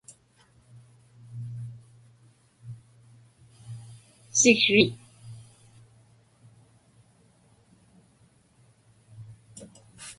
siksriit